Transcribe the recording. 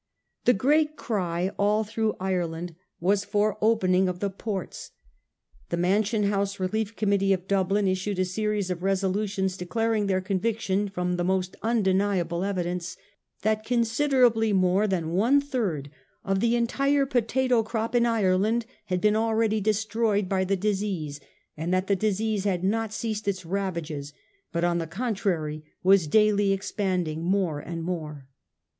The great cry all through Ireland was for the 364 A HISTORY OP OUR OWN TIMES. ch. xv. opening of the ports. The Mansion House Relief Committee of Dublin issued a series of resolutions declaring their conviction from the most undeniable evidence that considerably more than one third of the entire potato crop in Ireland had been already destroyed by the disease, and that the disease had not ceased its ravages, but on the contrary was daily expanding more and more.